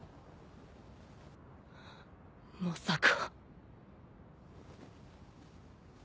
まさか